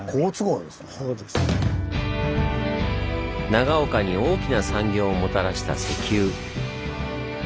長岡に大きな産業をもたらした石油。